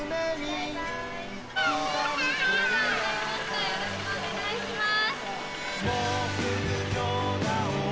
・よろしくお願いします。